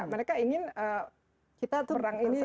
mereka ingin perang ini